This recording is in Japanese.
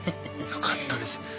よかったです。